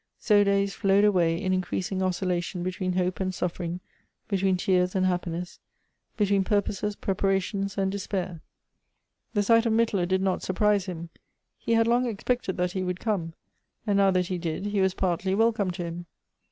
So days flowed away in increasing oscillation between hope and suffering, between tears and happiness — be tween purposes, preparations, and despair. The sight of Mittler did not surprise him ; he had long expected that he would come ; and now that he did, he was partly welcome to him.